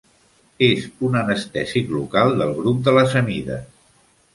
És un anestèsic local del grup de les amides.